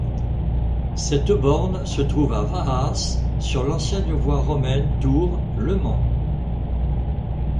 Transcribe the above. Cette borne se trouve à Vaas sur l'ancienne voie romaine Tours - Le Mans.